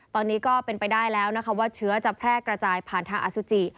ตอนนี้ก็เป็นไปได้แล้วนะคะว่าเชื้อจะแพร่กระจายผ่านทางอสุจิ